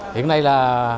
hiện nay là